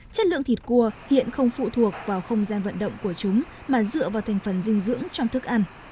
chất lượng thịt cua hiện không phụ thuộc vào không gian vận động của chúng mà dựa vào thành phần dinh dưỡng trong thức ăn